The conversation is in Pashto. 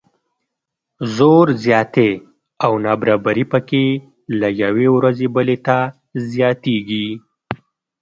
زور زیاتی او نابرابري پکې له یوې ورځې بلې ته زیاتیږي.